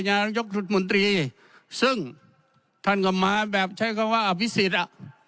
นายกรัฐมนตรีซึ่งท่านก็มาแบบใช้คำว่าอภิษฎอ่ะ